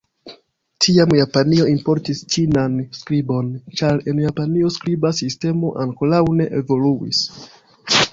Tiam Japanio importis Ĉinan skribon, ĉar en Japanio skriba sistemo ankoraŭ ne evoluis.